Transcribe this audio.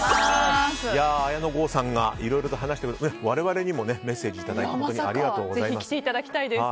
綾野剛さんがいろいろと話してくれて我々にもメッセージをいただいてありがとうございます。